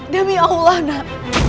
demi allah nak